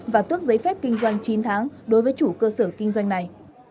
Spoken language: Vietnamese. và tước giấy phép kinh doanh chín tháng đối với chủ cơ sở kinh doanh này